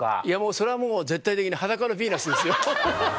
それはもう絶対的に『裸のビーナス』ですよ。